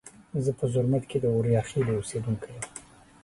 زه په زرمت کې د اوریاخیلو اوسیدونکي یم.